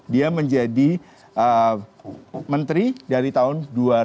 dia menjadi menteri dari tahun dua ribu sembilan belas